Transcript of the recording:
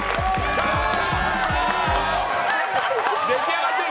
出来上がってる！